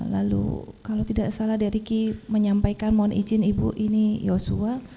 lalu kalau tidak salah dariki menyampaikan mohon izin ibu ini yosua